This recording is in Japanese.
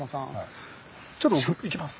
ちょっと僕行きます。